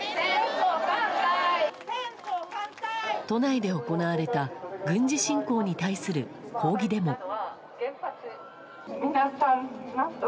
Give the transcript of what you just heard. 都内で行われた軍事侵攻に対する抗議デモ。